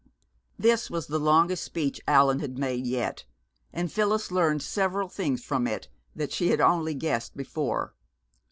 This was the longest speech Allan had made yet, and Phyllis learned several things from it that she had only guessed before.